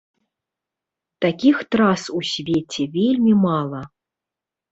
Такіх трас у свеце вельмі мала.